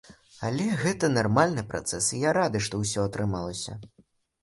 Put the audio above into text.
Але гэта нармальны працэс, і я рады, што ўсё атрымалася.